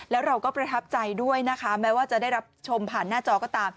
แล้วเราก็ประทับใจด้วยนะคะแม้ว่าจะได้รับชมผ่านหน้าจอก็ตาม